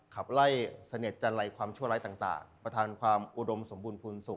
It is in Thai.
ขับไล่เสน็จจันไรความชั่วร้ายต่างประธานความอุดมสมบูรณภูมิสุข